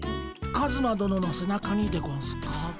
カズマ殿のせなかにでゴンスか？